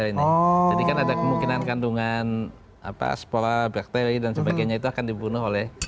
jadi kan ada kemungkinan kandungan sepolah bakteri dan sebagainya itu akan dibunuh oleh